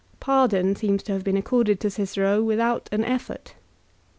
Pardon seems to have been accorded to Cicero without an effort.